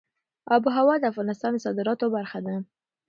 آب وهوا د افغانستان د صادراتو برخه ده.